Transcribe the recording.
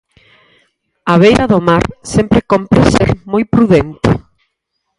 A beira do mar sempre cómpre ser moi prudente.